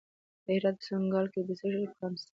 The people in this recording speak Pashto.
د هرات په سنګلان کې د څه شي کان دی؟